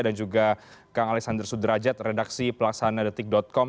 dan juga kang alexander sudrajat redaksi pelaksana com